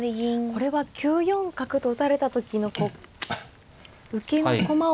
これは９四角と打たれた時の受けの駒を。